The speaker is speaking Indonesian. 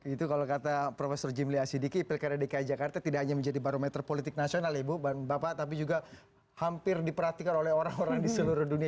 itu kalau kata profesor jimli asidiki pilkada dki jakarta tidak hanya menjadi barometer politik nasional ibu bapak tapi juga hampir diperhatikan oleh orang orang di seluruh dunia